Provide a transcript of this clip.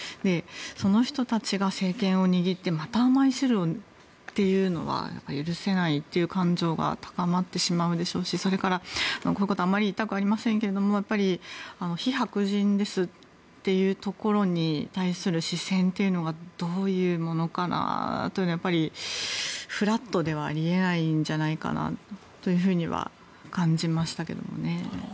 その人たちが政権を握ってまた甘い汁をというのは許せないという感情が高まってしまうでしょうしそれからこういうことをあまり言いたくありませんが非白人ですというところに対する視線というのがどういうものかなというのはフラットではあり得ないんじゃないかなというふうには感じましたけどね。